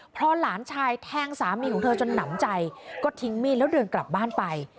พอหลานชายแทงสามีของเธอจนหนำใจก็ทิ้งมีดแล้วเดินกลับบ้านไป